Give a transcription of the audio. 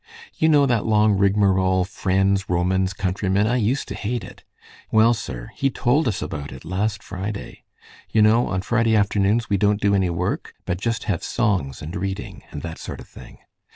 You know that long rigmarole, 'Friends, Romans, countrymen'? I used to hate it. Well, sir, he told us about it last Friday. You know, on Friday afternoons we don't do any work, but just have songs and reading, and that sort of thing.